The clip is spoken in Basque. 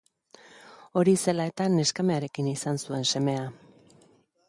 Hori zela eta neskamearekin izan zuen semea.